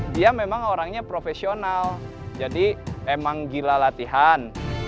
dia memang orangnya profesional jadi emang gila latihan